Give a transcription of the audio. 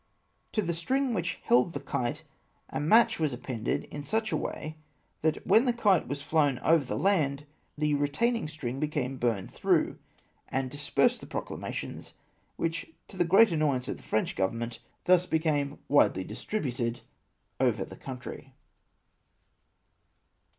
To the struig which held the kite, a match was appended in such a way, that when the kite was flown over the land, the retaining string became burned through, and dispersed the proclamations, which, to the great annoyance of the French government, thus became widely distributed over the country.